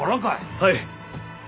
はい。